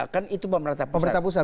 kan itu pemerintah pusat